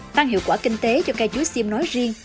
tăng hiệu quả kinh tế cho cây chuối xiêm nói riêng